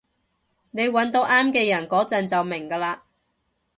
你搵到啱嘅人嗰陣就明㗎喇